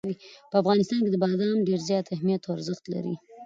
په افغانستان کې بادام ډېر زیات اهمیت او ارزښت لري.